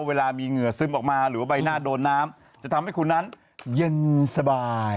เวลามีเหงื่อซึมออกมาหรือว่าใบหน้าโดนน้ำจะทำให้คุณนั้นเย็นสบาย